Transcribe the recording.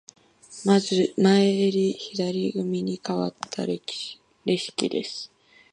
まず前襟、左組にかわったレシキです。